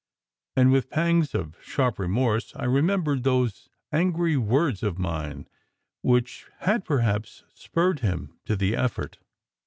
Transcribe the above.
And with pangs of sharp remorse I remembered 130 SECRET HISTORY those angry words of mine which had perhaps spurred him to the effort.